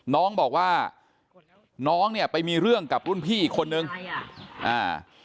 น้องบอกว่าน้องเนี้ยไปมีเรื่องกับรุ่นพี่อีกคนนึงอ่า